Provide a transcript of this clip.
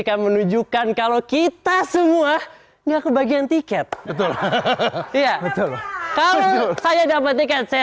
akan menunjukkan kalau kita semua enggak kebagian tiket betul iya betul kalau saya dapat tiket saya